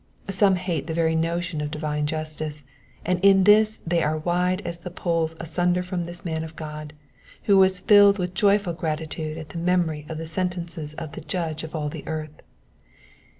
Some hate the very notion of divine justice, and in this they are wide as the poles asunder from this man of God, who was filled with joyful gratitude at the memory of the sentences of the Judge of all the earth.